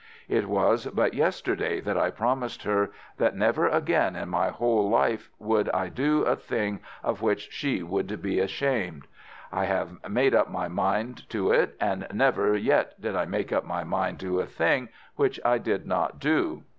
It was but yesterday that I promised her that never again in my whole life would I do a thing of which she should be ashamed. I have made up my mind to it, and never yet did I make up my mind to a thing which I did not do.